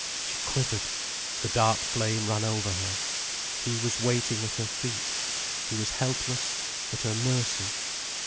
She quivered, the dark flame ran over her. He was waiting at her feet. He was helpless, at her mercy.